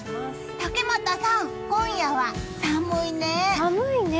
竹俣さん、今夜は寒いね。